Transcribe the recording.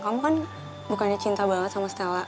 kamu kan bukannya cinta banget sama stella